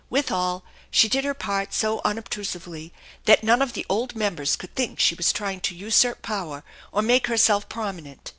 Withal, she did her part so unobtrusively that none of the old members could think she was trying to usurp power or make herself prom inent.